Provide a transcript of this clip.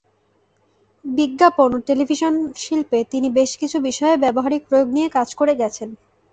বিজ্ঞাপন ও টেলিভিশন শিল্পে তিনি বেশকিছু বিষয়ে ব্যবহারিক প্রয়োগ নিয়ে কাজ করে গেছেন।